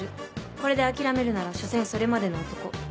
これで諦めるならしょせんそれまでの男